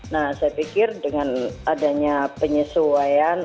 nah saya pikir dengan adanya penyesuaian